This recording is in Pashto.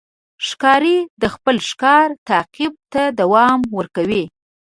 ښکاري د خپل ښکار تعقیب ته دوام ورکوي.